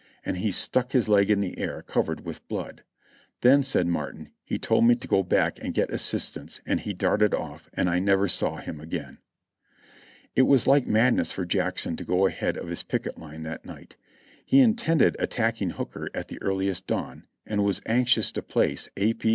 And he stuck his leg in the air, covered with blood. "Then," said Martin, "he told me to go back and get assistance, and he darted off and I never saw him again. It was like madness for Jackson to go ahead of his picket line that night. He intended attacking Hooker at the earliest dawn, and was anxious to place A. P.